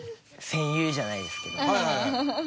戦友じゃないですけど。